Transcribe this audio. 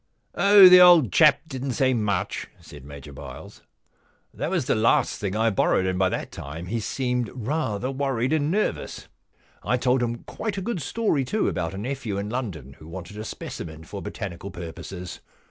Oh, the old chap didn*t say much,' said Major Byles. * That was the last thing I borrowed, and by that time he seemed rather worried and nervous. I told him quite a good story, too, about a nephew in London who wanted a specimen for botanical purposes.